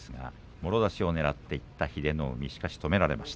もろ差しをねらいにいった英乃海です。